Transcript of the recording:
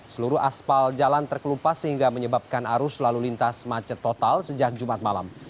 seluruh asfal jalan terkelupas sehingga menyebabkan arus lalu lintas macet total sejak jumat malam